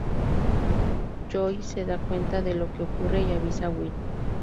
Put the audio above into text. Joey se da cuenta de lo que ocurre y avisa a Will.